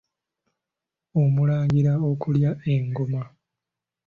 Omulangira okulya engoma.